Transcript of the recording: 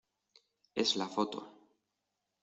es la foto...